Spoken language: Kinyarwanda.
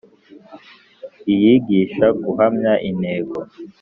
iyigisha guhamya intego